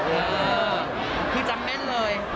เออคือจำแม่นเลย